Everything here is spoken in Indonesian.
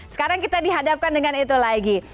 sekarang kita dihadapkan dengan itu lagi